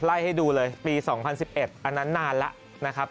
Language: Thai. ให้ดูเลยปี๒๐๑๑อันนั้นนานแล้วนะครับ